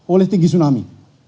oleh tinggi tsunami